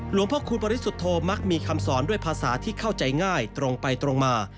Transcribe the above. หลวงพระคุณบริสุทธโธมักมีคำสอนด้วยภาษาที่เข้าใจง่ายตรงไปตรงมา